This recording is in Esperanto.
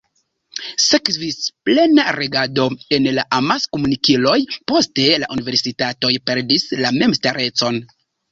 Sekvis plena regado en la amaskomunikiloj, poste la universitatoj perdis la memstarecon.